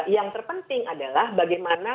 yang terpenting adalah bagaimana